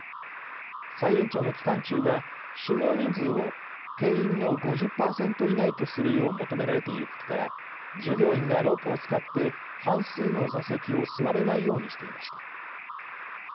再延長の期間中は収容人数を定員の５０％以内とするよう求められていることから従業員がロープを使って半数の座席を座れないようにしていました。